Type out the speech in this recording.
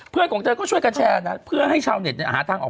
เพื่อนของเจ้าก็ช่วยกันแชร์นะเพื่อให้ชาวเน็ตเนี่ยหาทางออก